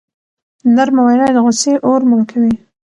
نرمه وینا د غصې اور مړ کوي.